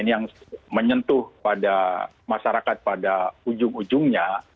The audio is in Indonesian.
yang menyentuh pada masyarakat pada ujung ujungnya